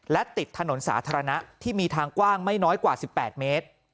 และติดถนนสาธารณะที่มีทางกว้างไม่น้อยกว่า๑๘เมตร